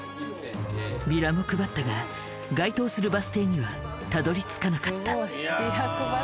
ビラも配ったが該当するバス停にはたどり着かなかった。